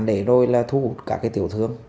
để rồi là thu hút cả tiểu thương